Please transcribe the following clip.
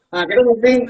nah kita mungkin